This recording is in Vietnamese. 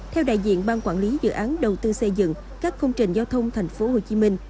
theo đại diện ban quản lý dự án đầu tư xây dựng các công trình giao thông tp hcm